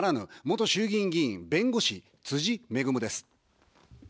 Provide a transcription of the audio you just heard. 元衆議院議員、弁護士、つじ恵です。